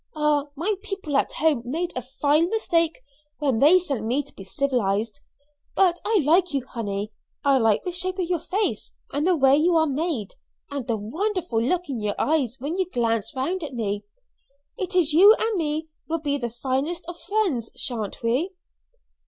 Ah! my people at home made a fine mistake when they sent me to be civilised. But I like you, honey. I like the shape of your face, and the way you are made, and the wonderful look in your eyes when you glance round at me. It is you and me will be the finest of friends, sha'n't we?"